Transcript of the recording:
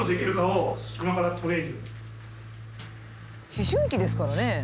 思春期ですからね。